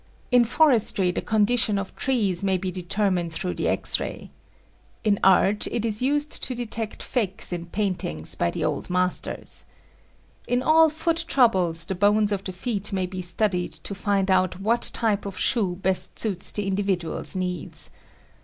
In forestry the condition of trees may be determined through the X ray. In art it is used to detect fakes in paintings by the old masters. In all foot troubles the bones of the feet may be studied to find out what type of shoe best suits the individual's needs.